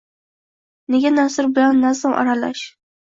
Nega nasr bilan nazm aralash?